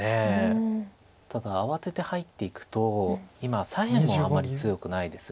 ただ慌てて入っていくと今左辺もあんまり強くないですよね。